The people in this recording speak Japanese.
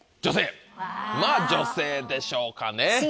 まぁ女性でしょうかね。